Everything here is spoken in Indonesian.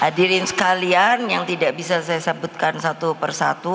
hadirin sekalian yang tidak bisa saya sebutkan satu persatu